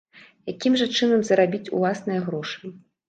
Якім жа чынам зарабіць уласныя грошы?